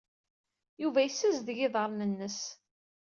Yuba yessazdeg iḍarren-nnes.